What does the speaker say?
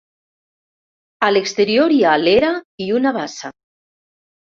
A l'exterior hi ha l'era i una bassa.